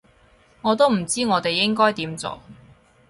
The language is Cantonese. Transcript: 我都唔知我哋應該點做